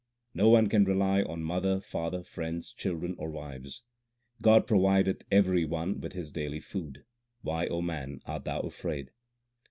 No one can rely on mother, father, friends, children, or wives. God provideth every one with his daily food ; why, O man, art thou afraid